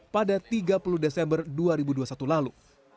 pada tiga puluh desember dua ribu dua puluh satu lalu